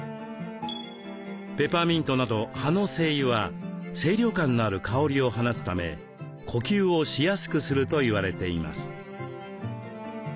ペパーミントなど葉の精油は清涼感のある香りを放つため呼吸をしやすくすると言われています。